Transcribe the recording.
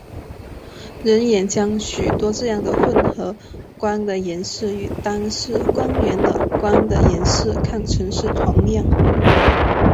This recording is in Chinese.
人眼将许多这样的混合光的颜色与单色光源的光的颜色看成是同样。